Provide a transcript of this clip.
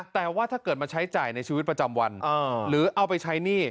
แต่ว่าถ้าเกิดมาใช้จ่ายในชีวิตประจำวันหรือเอาไปใช้หนี้